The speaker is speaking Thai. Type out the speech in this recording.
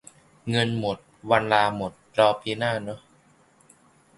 เงินหมด วันลาหมด รอปีหน้าเนอะ